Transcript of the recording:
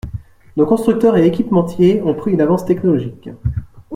Nos constructeurs et équipementiers ont pris une avance technologique.